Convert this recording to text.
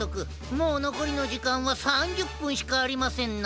もうのこりのじかんは３０ぷんしかありませんな。